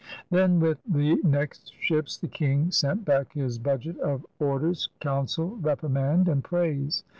Then with the next ships the King sent back his budget of orders, counsel, reprimand, and praise.